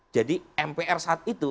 jadi mpr saat itu